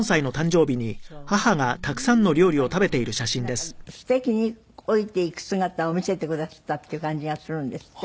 やっぱりすてきに老いていく姿を見せてくだすったっていう感じがするんですって？